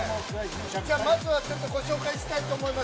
まずはちょっとご紹介したいと思います。